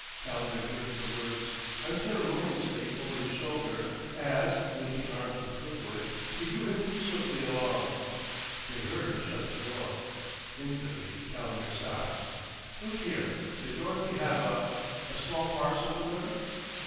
Calendar jerked the words unceremoniously over his shoulder as, linking arms with Kirkwood, he drew him swiftly along. They heard her shut the door; instantly Calendar stopped. "Look here, did Dorothy have a a small parcel with her?"